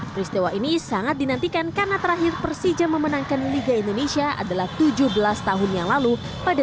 peristiwa ini sangat dinantikan karena terakhir persija memenangkan liga indonesia adalah tujuh belas tahun yang lalu pada dua ribu dua puluh